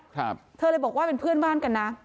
ครับเธอเลยบอกว่าเป็นเพื่อนบ้านกันนะ